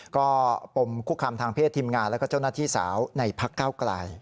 ก็ปมคุกคำทางเพศทีมงานแล้วก็เจ้าหน้าที่สาวในพักเก้าไกล